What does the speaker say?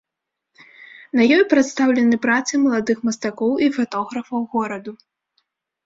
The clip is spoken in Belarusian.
На ёй прадстаўлены працы маладых мастакоў і фатографаў гораду.